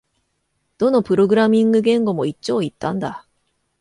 どのプログラミング言語も一長一短だ